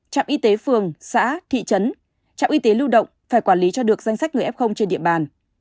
trạm y tế phường xã thị trấn trạm y tế lưu động phải quản lý cho được danh sách người f trên địa bàn